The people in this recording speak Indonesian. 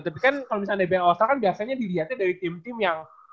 tapi kan kalau misalnya dbl all star kan biasanya dilihatnya dari tim tim yang